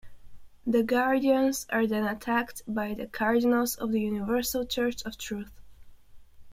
The Guardians are then attacked by the Cardinals of the Universal Church of Truth.